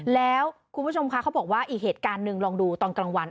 แล้วคุณผู้ชมคะเขาบอกว่าอีกเหตุการณ์หนึ่งลองดูตอนกลางวัน